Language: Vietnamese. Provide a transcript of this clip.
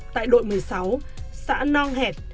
tại đội một mươi sáu xã nong hẹt